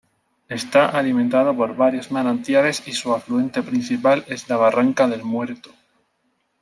Está alimentado por varios manantiales y su afluente principal es la Barranca del Muerto.